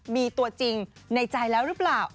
มีตัวจริงในใจแล้วหรือเปล่า